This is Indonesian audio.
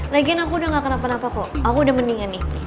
lagian aku udah nggak kena penapa kok aku udah mendingan nih